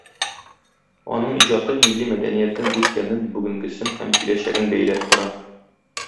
Аның иҗаты милли мәдәниятнең үткәнен, бүгенгесен һәм киләчәген бәйләп тора.